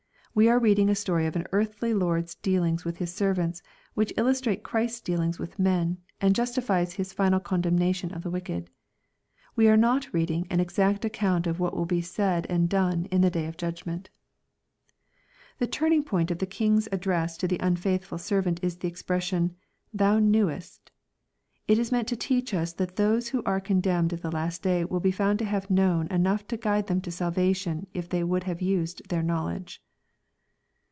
We are reading a story of an earthly lord's dealings with his servants, which illustrates Christ's dealings with men, and jus tifies His final condemnation of the wicked. We are not reading an exact account of what will be said and done in the day of judgment. The turning point of the king's address to the unfaithful servant is the expression Thou knewest" It is meant to teach us that those who are condemned at the last day will be found to have "known" enough to guide them to salvation if they would have used their knowledge.